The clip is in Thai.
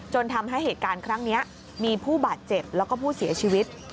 ทำให้เหตุการณ์ครั้งนี้มีผู้บาดเจ็บแล้วก็ผู้เสียชีวิต